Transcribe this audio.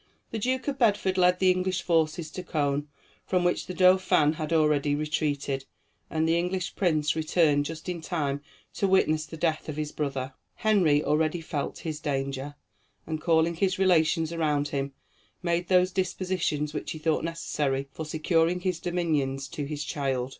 The Duke of Bedford, led the English forces to Cône, from which the Dauphin had already retreated, and the English prince returned just in time to witness the death of his brother. Henry already felt his danger, and calling his relations around him, made those dispositions which he thought necessary for securing his dominions to his child.